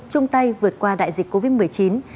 chung tay vượt qua đại dịch covid một mươi chín